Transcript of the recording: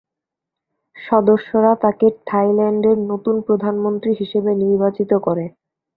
সদস্যরা তাঁকে থাইল্যান্ডের নতুন প্রধানমন্ত্রী হিসেবে নির্বাচিত করে।